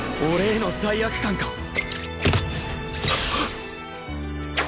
俺への罪悪感か？